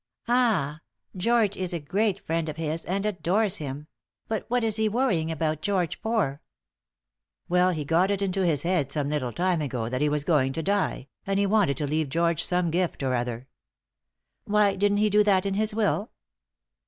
"Ah, George is a great friend of his and adores him; but what is he worrying about George for?" "Well, he got it into his head some little time ago that he was going to die, and he wanted to leave George some gift or another." "Why didn't he do that in his will?"